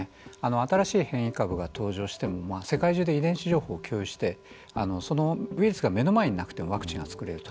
新しい変異株が登場しても世界中で遺伝子情報を共有してそのウイルスが目の前になくてもワクチンが作れると。